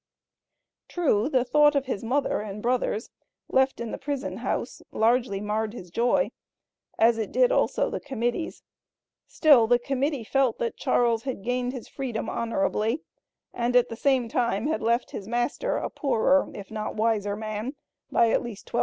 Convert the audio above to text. True, the thought of his mother and brothers, left in the prison house, largely marred his joy, as it did also the Committee's, still the Committee felt that Charles had gained his Freedom honorably, and at the same time, had left his master a poorer, if not a wiser man, by at least $1200.